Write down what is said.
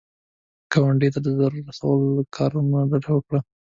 ګاونډي ته د ضرر رسولو له کارونو ډډه وکړه